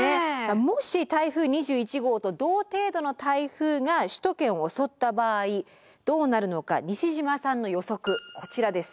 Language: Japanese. もし台風２１号と同程度の台風が首都圏を襲った場合どうなるのか西嶋さんの予測こちらです。